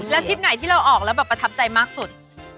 แล้วทริปไหนที่เราออกแล้วแบบประทับใจมากสุด